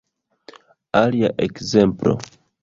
Alia ekzemplo